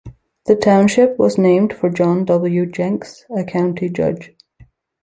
The township was named for John W. Jenks, a county judge.